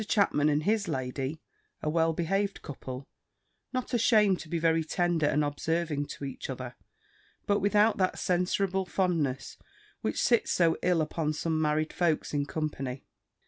Chapman and his lady, a well behaved couple, not ashamed to be very tender and observing to each other, but without that censurable fondness which sits so ill upon some married folks in company.